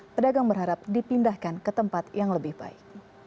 pedagang berharap dipindahkan ke tempat yang lebih baik